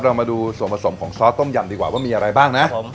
เรามาดูส่วนผสมของซอสต้มยำดีกว่าว่ามีอะไรบ้างนะผม